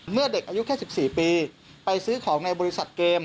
เมื่อเด็กอายุแค่๑๔ปีไปซื้อของในบริษัทเกม